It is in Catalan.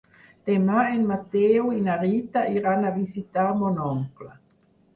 Demà en Mateu i na Rita iran a visitar mon oncle.